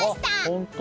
本当。